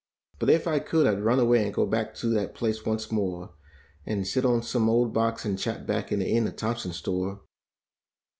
But if I could I'd run away and go back to that place once more. And sit on some old box and chat back in the end of Thompson's store.